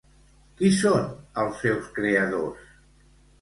Qui són els seus creadors?